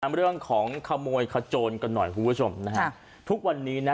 เรื่องของขโมยขโจนกันหน่อยคุณผู้ชมนะฮะทุกวันนี้นะ